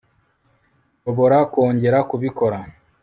nshobora kongera kubikora